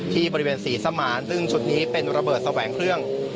ที่บริเวณศรีสมานซึ่งจุดนี้เป็นระเบิดแสวงเครื่อง